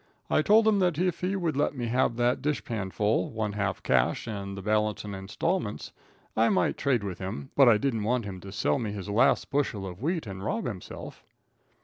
I told him that if he would let me have that dishpan full, one half cash and the balance in installments, I might trade with him, but I didn't want him to sell me his last bushel of wheat and rob himself.